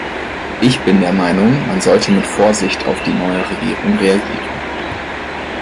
Ich bin der Meinung, man sollte mit Vorsicht auf die neue Regierung reagieren.